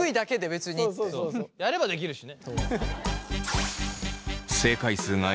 やればできるしね。